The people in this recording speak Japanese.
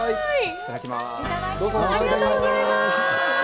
いただきます。